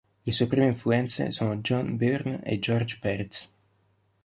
Le sue prime influenze sono John Byrne e George Pérez.